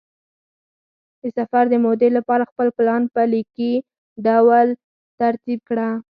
د سفر د مودې لپاره خپل پلان په لیکلي ډول ترتیب کړه.